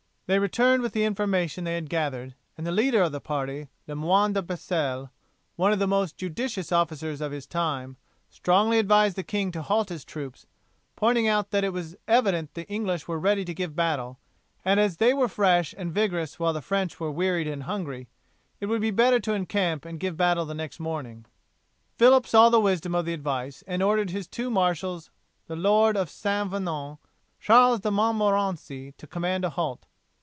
They returned with the information they had gathered, and the leader of the party, Le Moyne de Basele, one of the most judicious officers of his time, strongly advised the king to halt his troops, pointing out that as it was evident the English were ready to give battle, and as they were fresh and vigorous while the French were wearied and hungry, it would be better to encamp and give battle the next morning. Phillip saw the wisdom of the advice and ordered his two marshals the Lord of St. Venant and Charles de Montmorency to command a halt.